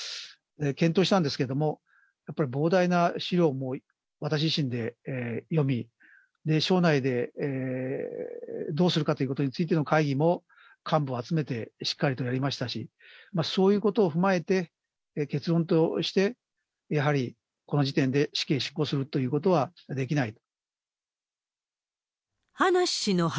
検討したんですけれども、やっぱり膨大な資料も私自身で読み、省内でどうするかということについての会議も、幹部を集めてしっかりとやりましたし、そういうことを踏まえて、結論として、やはりこの時点で、死刑執行するということはできない。